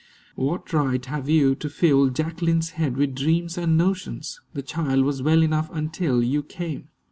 "What right have you to fill Jacqueline's head with dreams and notions? The child was well enough until you came.